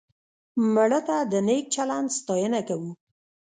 مړه ته د نیک چلند ستاینه کوو